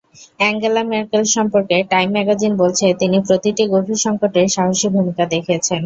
Angela Merkel সম্পর্কে Time magazine বলছে, তিনি প্রতিটি গভীর সংকটে সাহসী ভূমিকা দেখিয়েছেন।